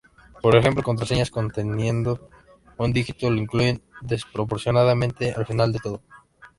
Por ejemplo contraseñas conteniendo un dígito lo incluyen desproporcionadamente al final de todo.